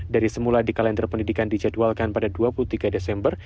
dari semula di kalender pendidikan dijadwalkan pada dua puluh tiga desember